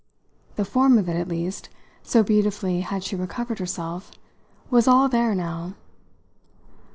The form of it, at least so beautifully had she recovered herself was all there now.